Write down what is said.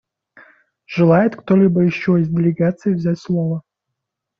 Желает кто-либо еще из делегаций взять слово?